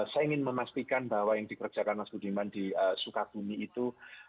saya ingin memastikan bahwa yang dikerjakan mas budiman di sukabumi itu